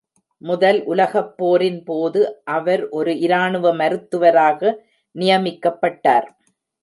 முதல் உலகப் போரின் போது, அவர் ஒரு இராணுவ மருத்துவராக நியமிக்கப்பட்டார்.